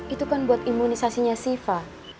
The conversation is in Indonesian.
itu kan buat imunisasinya siva